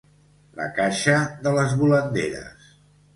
La caixa de les volanderes.